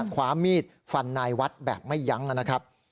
ความมีดฟันนายวัดแบบไม่ยั้งนะครับ